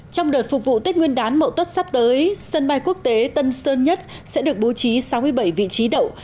trong đợt phục vụ tết nguyên đán mậu tốt sắp tới sân bay quốc tế tân sơn nhất sẽ được bố trí sáu mươi bảy vị trí đậu